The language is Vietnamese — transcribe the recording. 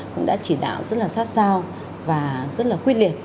cũng đã chỉ đạo rất là sát sao và rất là quyết liệt